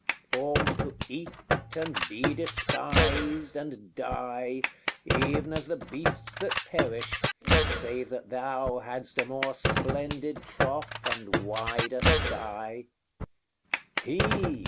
formed to eat, and be despised, and die, Even as the beasts that perish, save that thou Hadst a more splendid trough, and wider sty: HE!